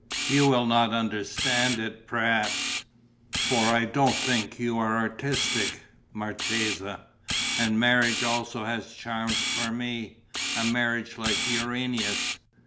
You will not understand it perhaps, for I don't think you are artistic, marchesa? And marriage also has charms for me, a marriage like Urania's.